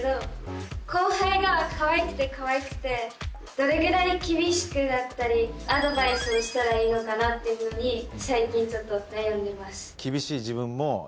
どれぐらい厳しくだったりアドバイスをしたらいいのかなっていうふうに最近ちょっと悩んでます。